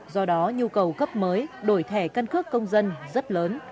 do đó nhu cầu cấp mới đổi thẻ căn cước công dân rất lớn